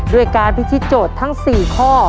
ด้วยการพิธีโจทย์ทั้ง๔ข้อ